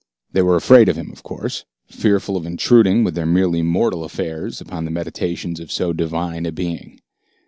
They were afraid of him, of course, fearful of intruding with their merely mortal affairs upon the meditations of so divine a being.